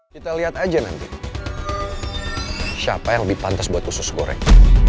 kita lihat aja nanti siapa yang lebih pantas buat usus goreng